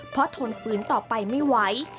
เพราะทนฝืนต่อไปไม่ไหว